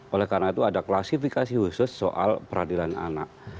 oleh karena itu ada klasifikasi khusus soal peradilan anak